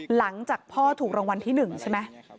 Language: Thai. หลังจากพ่อถูกรางวัลที่๑ใช่ไหม